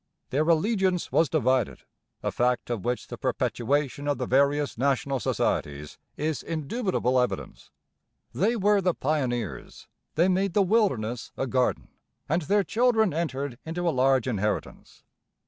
Their allegiance was divided, a fact of which the perpetuation of the various national societies is indubitable evidence. They were the pioneers; they made the wilderness a garden; and their children entered into a large inheritance.